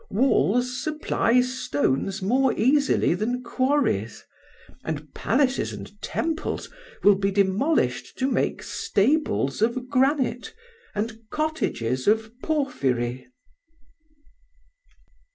Walls supply stones more easily than quarries; and palaces and temples will be demolished to make stables of granite and cottages of porphyry.